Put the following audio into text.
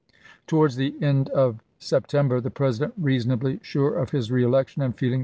Towards the end of September the Presi dent, reasonably sure of his reelection, and feeling 1864.